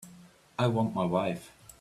I want my wife.